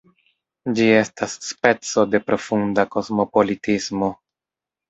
Ĝi estas speco de profunda kosmopolitismo.